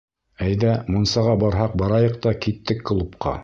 Әйҙә, мунсаға барһаҡ барайыҡ та, киттек клубҡа!